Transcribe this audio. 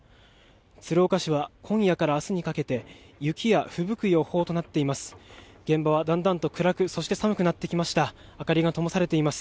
鶴岡市は今夜から明日にかけて、雪やふぶく予報となっています。